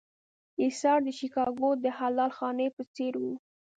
اېثار د شیکاګو د حلال خانې په څېر و.